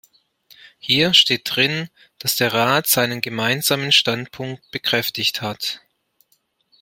Hier steht drin, dass der Rat seinen Gemeinsamen Standpunkt bekräftigt hat.